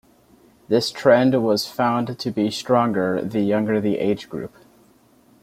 This trend was found to be stronger the younger the age group.